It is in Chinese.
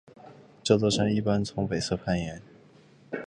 这座山一般从北侧攀登。